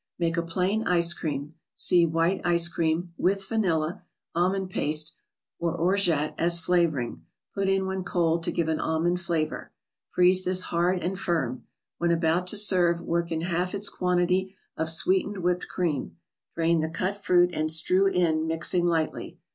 Make a plain ice cream (see " White Ice Cream "), with vanilla,—almond paste, or Orgeat as flavoring, put in when cold to give an almond flavor. Freeze this hard and firm. When about to serve, work in half its quantity of sweetened whipped cream; drain the cut fruit, and strew in, mixing lightly.